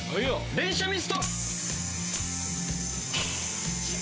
連射ミスト！